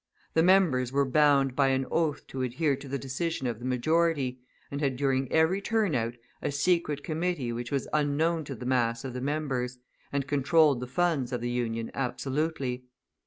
The members were bound by an oath to adhere to the decision of the majority, and had during every turnout a secret committee which was unknown to the mass of the members, and controlled the funds of the Union absolutely.